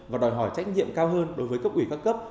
và đòi hỏi trách nhiệm cao hơn đối với cấp ủy các cấp